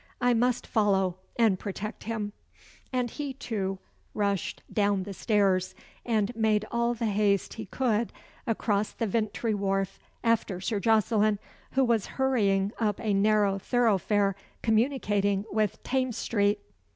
I must follow and protect him." And he too rushed down the stairs, and made all the haste he could across the Vintry wharf after Sir Jocelyn, who was hurrying up a narrow thoroughfare communicating with Thames Street.